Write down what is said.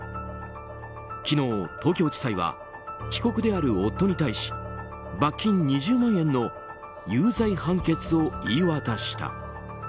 昨日、東京地裁は被告である夫に対し罰金２０万円の有罪判決を言い渡した。